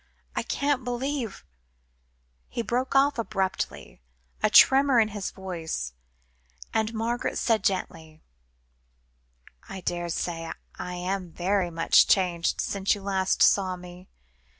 I can't believe " He broke off abruptly, a tremor in his voice, and Margaret said gently "I daresay I am very much changed since you last saw me.